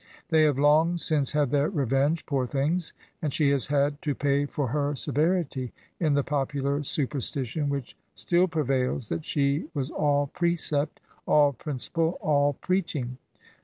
They have long since had their revenge, poor things, and she has had to pay for her severity in the popular superstition which still prevails that she was all precept, all principle, all preaching.